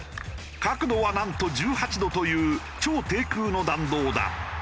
角度はなんと１８度という超低空の弾道だ。